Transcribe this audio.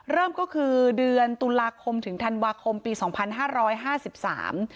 เริ่มก็คือเดือนตุลาคมถึงธันวาคมปีสองพันห้าร้อยห้าสิบสาม